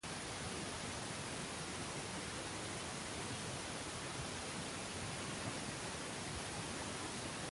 Ostentó, además, una honda influencia en el desarrollo de la historieta española posterior.